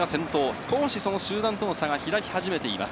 少し、その集団との差が開き始めています。